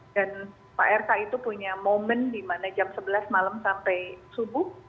dan pak rk itu punya momen dimana jam sebelas malam sampai subuh